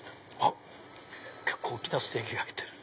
結構大きなステーキが入ってる。